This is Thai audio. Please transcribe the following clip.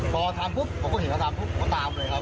พอทำปุ๊บเขาก็เห็นเขาทำปุ๊บเขาตามเลยครับ